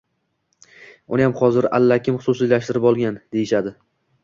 Uniyam hozir allakim xususiylashtirib olgan, deyishadi